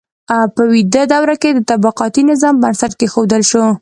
په ویدي دوره کې د طبقاتي نظام بنسټ کیښودل شو.